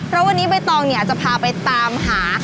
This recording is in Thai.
แล้ววันนี้ใบตองจะพาไปตามหา